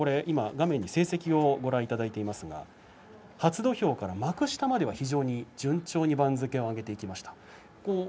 画面で成績をご覧いただいていますが初土俵から幕下までは非常に順調に番付を上げていきました。